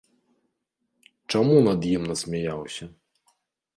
Чаму над ім насмяяўся?